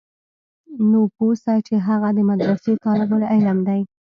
نو پوه سه چې هغه د مدرسې طالب العلم دى.